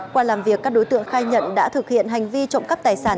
qua làm việc các đối tượng khai nhận đã thực hiện hành vi trộm cắp tài sản